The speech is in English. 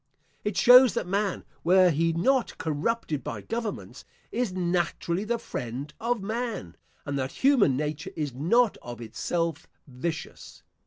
It shows that man, were he not corrupted by governments, is naturally the friend of man, and that human nature is not of itself vicious.